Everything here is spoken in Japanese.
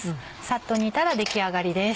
さっと煮たら出来上がりです。